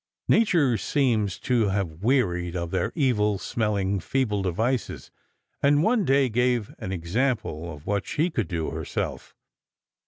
Nature seems to have wearied of their evil smelling feeble devices, and one day gave an example of what she could do herself.